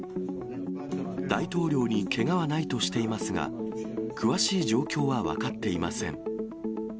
大統領にけがはないとしていますが、詳しい状況は分かっていません。